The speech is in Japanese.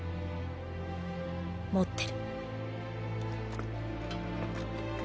持ってる。